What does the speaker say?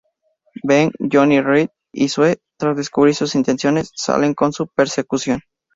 Ben, Johnny, Reed, y Sue, tras descubrir sus intenciones, salen en su persecución.